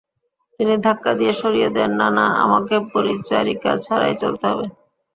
তিনি ধাক্কা দিয়ে সরিয়ে দেন—না, না, আমাকে পরিচারিকা ছাড়াই চলতে হবে।